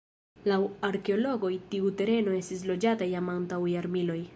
Laŭ arkeologoj tiu tereno estis loĝata jam antaŭ jarmiloj.